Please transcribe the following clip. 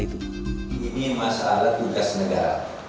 ini masalah tugas negara